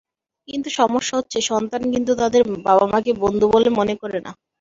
কিন্তু সমস্যা হচ্ছে, সন্তান কিন্তু তাদের বাবা-মাকে বন্ধু বলে মনে করে না।